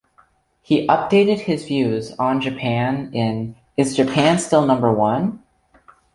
He updated his views on Japan in Is Japan Still Number One?